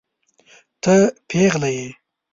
ته پيغله يې.